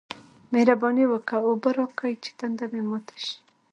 مهرباني وکه! اوبه راکه چې تنده مې ماته شي